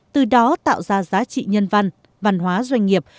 từ đó tạo ra giá trị nhân văn văn hóa doanh nghiệp